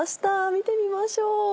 見てみましょう。